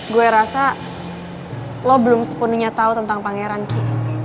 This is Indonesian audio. gue rasa lo belum sepenuhnya tahu tentang pangeran ki